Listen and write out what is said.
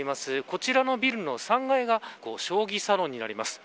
こちらのビルの３階が将棋サロンになります。